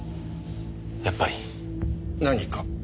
やっぱり。何か？